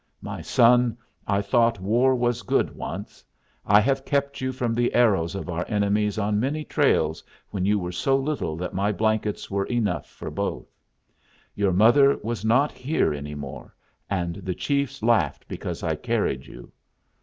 My son, I thought war was good once. I have kept you from the arrows of our enemies on many trails when you were so little that my blankets were enough for both. Your mother was not here any more, and the chiefs laughed because I carried you.